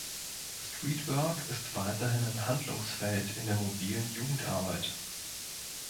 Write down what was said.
Streetwork ist weiterhin ein Handlungsfeld in der „Mobilen Jugendarbeit“.